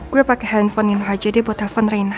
gue pake handphone ini aja deh buat telfon reina